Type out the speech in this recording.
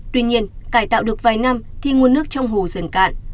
tuy nhiên cải tạo được vài năm thì nguồn nước trong hồ dần cạn